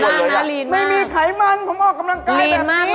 มันออกกำลังกายแบบดี้